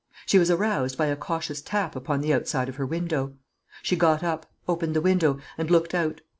She was aroused by a cautious tap upon the outside of her window. She got up, opened the window, and looked out.